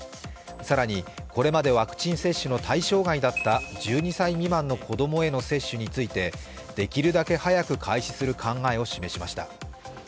更に、これまでワクチン接種の対象外だった１２歳未満の子供への接種についてできるだけ早く開始する考えを示しました。